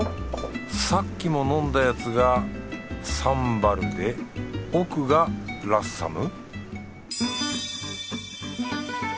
さっきも飲んだやつがサンバルで奥がラッサム？